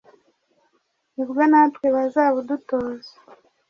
Ni bwo natwe bazabudutoza